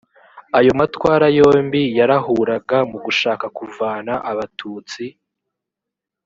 ayo matwara yombi yarahuraga mu gushaka kuvana abatutsi